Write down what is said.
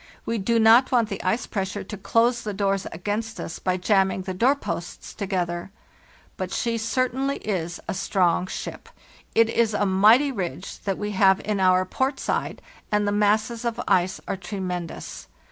We do not want the ice pressure to close the doors against us by jamming the doorposts together. But she certainly is a strong ship. It is a mighty ridge that we have in our port side, and the masses of ice are tremendous.